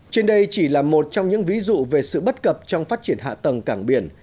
trên đây chỉ là một trong những ví dụ về sự bất cập trong phát triển hạ tầng cảng biển